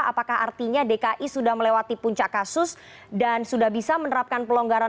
apakah artinya dki sudah melewati puncak kasus dan sudah bisa menerapkan pelonggaran